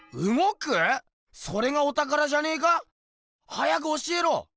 早く教えろ。